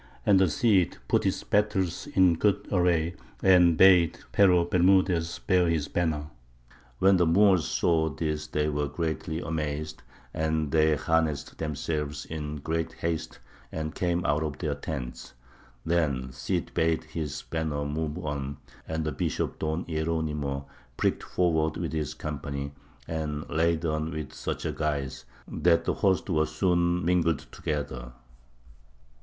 And the Cid put his battles in good array, and bade Pero Bermudez bear his banner. When the Moors saw this they were greatly amazed; and they harnessed themselves in great haste, and came out of their tents. Then the Cid bade his banner move on, and the Bishop Don Hieronymo pricked forward with his company, and laid on with such guise, that the hosts were soon mingled together.